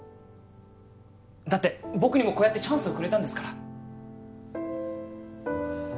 だって僕にもこうやってチャンスをくれたんですから。